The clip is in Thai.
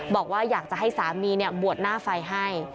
บอกว่าอยากจะให้สามีบวชหน้าไฟให้